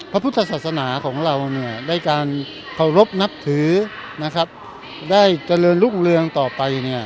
พระพุทธศาสนาของเราได้การเคารพนับถือได้เจริญลุ่งเรืองต่อไป